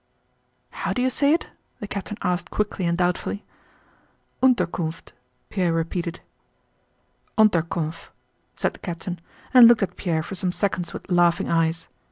"How do you say it?" the captain asked quickly and doubtfully. "Unterkunft," Pierre repeated. "Onterkoff," said the captain and looked at Pierre for some seconds with laughing eyes.